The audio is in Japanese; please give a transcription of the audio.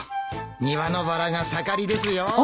庭のバラが盛りですよ。